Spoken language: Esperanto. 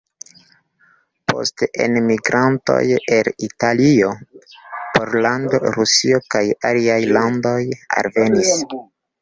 Poste enmigrantoj el Italio, Pollando, Rusio kaj aliaj landoj alvenis.